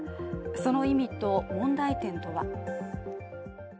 その意味と問題点とは。